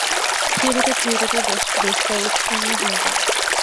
থিওরীতে থিওরীতে দেশটা উৎসন্ন হয়ে গেল।